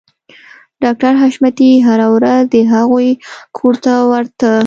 ډاکټر حشمتي هره ورځ د هغوی کور ته ورته